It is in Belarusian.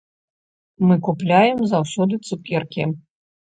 Мы купляем заўсёды цукеркі.